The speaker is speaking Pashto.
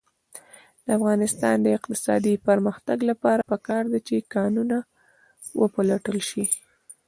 د افغانستان د اقتصادي پرمختګ لپاره پکار ده چې کانونه وپلټل شي.